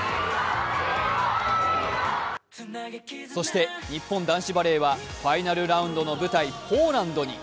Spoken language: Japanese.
そして日本男子バレーはファイナルラウンドの舞台ポーランドに。